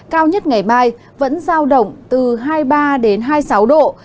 cao nhất ngày mai vẫn giao động từ hai mươi ba đến hai mươi sáu độ